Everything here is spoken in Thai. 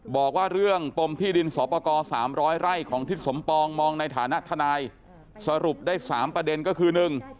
บอกว่าเรื่องปมที่ดินสอปกรสามร้อยไร่ของทิศสมปองมองในฐานะทนายสรุปได้๓ประเด็นก็คือหนึ่ง